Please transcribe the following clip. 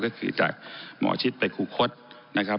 ก็คือจากหมอชิดไปครูคดนะครับ